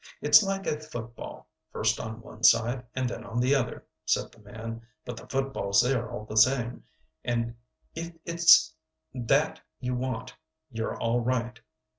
"It's like a football, first on one side, and then on the other," said the man, "but the football's there all the same, and if it's that you want, you're all right."